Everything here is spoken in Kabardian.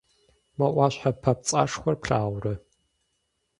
Мо Ӏуащхьэ папцӀэшхуэр плъагъурэ?